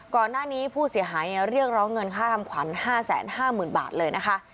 ก่อนหน้านี้ผู้เสียหายเรียกร้องเงินค่าทำขวัญ๕๕๐๐๐บาทเลยนะคะ